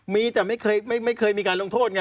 มีแต่ไม่เคยมีการลงโทษไง